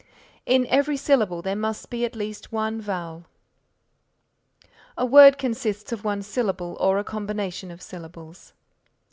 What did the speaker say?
In every syllable there must be at least one vowel. A word consists of one syllable or a combination of syllables.